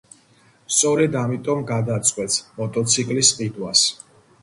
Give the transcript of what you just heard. სწორედ ამიტომ გადაწყვეტს მოტოციკლის ყიდვას.